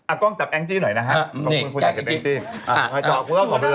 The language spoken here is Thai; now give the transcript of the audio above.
กล้องจับแองจี้หน่อยนะฮะขอบคุณคุณอยากจะแองจี้อ่า